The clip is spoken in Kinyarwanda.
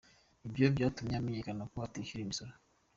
Ibyo byatumye amenyekana ko atishyura imisoro.